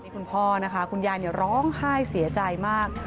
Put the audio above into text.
คุณพ่อนะคะคุณยายร้องไห้เสียใจมาก